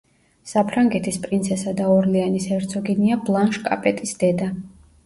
საფრანგეთის პრინცესა და ორლეანის ჰერცოგინია ბლანშ კაპეტის დედა.